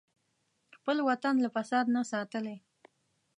خپل وطن له فساد نه ساتلی.